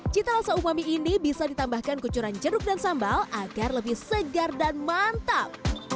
cita rasa umami ini bisa ditambahkan kucuran jeruk dan sambal agar lebih segar dan mantap